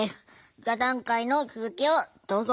座談会の続きをどうぞ。